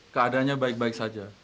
keadaannya baik baik saja